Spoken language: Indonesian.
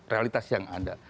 realitas yang ada